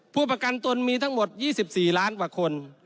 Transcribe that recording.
ผู้ประกันตนมีทั้งหมด๒๔ล้านกว่าคน